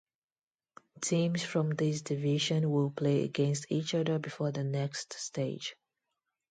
Teams from this division will play against each other before the next stage.